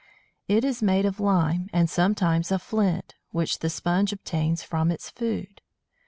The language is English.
It is made of lime, and sometimes of flint, which the Sponge obtains from its food.